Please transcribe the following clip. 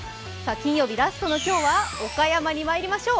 金曜日、ラストの今日は岡山にまいりましょう。